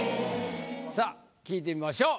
さあ聞いてみましょう。